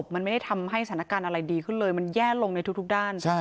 มันไม่ได้ทำให้สถานการณ์อะไรดีขึ้นเลยมันแย่ลงในทุกด้าน